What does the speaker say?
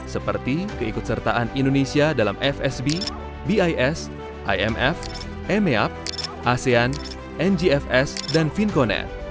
seperti keikutsertaan indonesia dalam fsb bis imf emep asean ngfs dan vinconet